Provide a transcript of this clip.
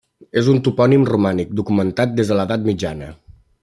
És un topònim romànic, documentat des de l'edat mitjana.